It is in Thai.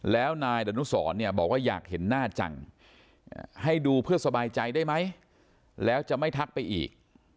แล้วนายดนุสรเนี่ยบอกว่าอยากเห็นหน้าจังให้ดูเพื่อสบายใจได้ไหมแล้วจะไม่ทักไปอีก